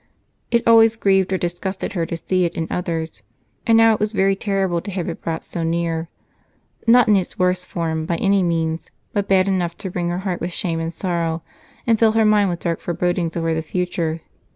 It always grieved or disgusted her to see it in others, and now it was very terrible to have it brought so near not in its worst form, by any means, but bad enough to wring her heart with shame and sorrow and fill her mind with dark forebodings for the future.